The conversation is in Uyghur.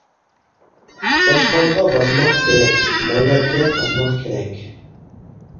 چاشقانغا باسماق كېرەك، مەينەتكە قاسماق كېرەك.